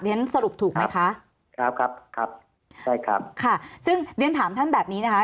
สรุปถูกไหมคะครับครับใช่ครับค่ะซึ่งเรียนถามท่านแบบนี้นะคะ